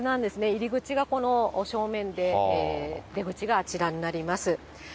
入り口がこの正面で、出口があちらになります。